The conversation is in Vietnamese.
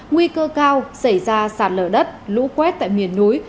nguy cơ cao xảy ra sạt lở đất lũ quét tại miền núi